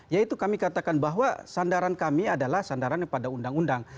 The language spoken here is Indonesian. yaitu kami katakan bahwa sandaran kami adalah sandaran pada undang undang